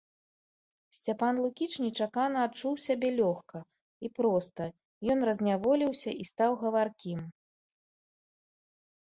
Сцяпан Лукіч нечакана адчуў сябе лёгка і проста, ён разняволіўся і стаў гаваркім.